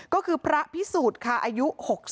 ก็คือพระพิสูจน์ค่ะอายุ๖๒